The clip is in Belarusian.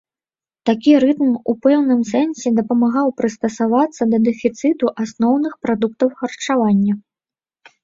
Такі рытм у пэўным сэнсе дапамагаў прыстасавацца да дэфіцыту асноўных прадуктаў харчавання.